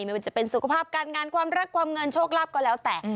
ไม่ว่าจะเป็นสุขภาพการงานความรักความเงินโชคลาภก็แล้วแต่